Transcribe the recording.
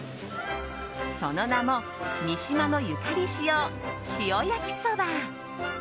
その名も三島のゆかり使用塩焼そば。